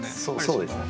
そうですね。